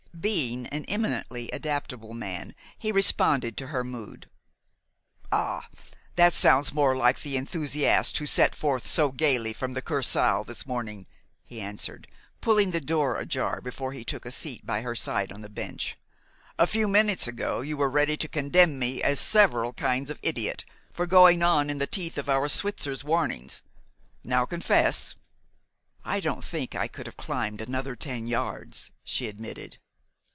Being an eminently adaptable man, he responded to her mood. "Ah, that sounds more like the enthusiast who set forth so gayly from the Kursaal this morning," he answered, pulling the door ajar before he took a seat by her side on the bench. "A few minutes ago you were ready to condemn me as several kinds of idiot for going on in the teeth of our Switzers' warnings. Now, confess!" "I don't think I could have climbed another ten yards," she admitted.